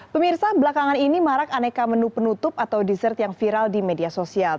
pemirsa belakangan ini marak aneka menu penutup atau dessert yang viral di media sosial